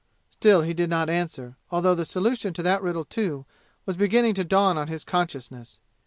Still he did not answer, although the solution to that riddle, too, was beginning to dawn on his consciousness.